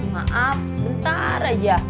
maaf sebentar aja